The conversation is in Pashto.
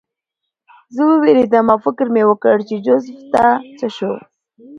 زه ووېرېدم او فکر مې وکړ چې جوزف څه شو